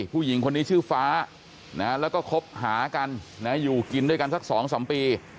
ผู้หญิงคนนี้ชื่อฟ้าแล้วก็คบหากันอยู่กินด้วยกันสัก๒๓ปี